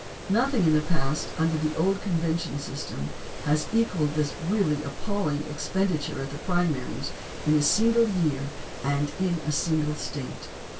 Nothing in the past imder the old convention system has equalled this really appalling expenditure at the primaries in a single year and in a single State.